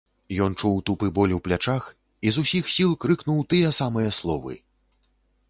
Ён чуў тупы боль у плячах і з усіх сіл крыкнуў тыя самыя словы.